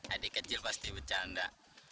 adik kecil pasti bercanda